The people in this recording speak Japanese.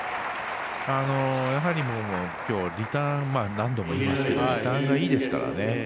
やはり、きょう何度も言いますけどリターンがいいですからね。